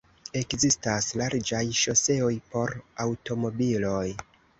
Ekzistas larĝaj ŝoseoj por aŭtomobiloj.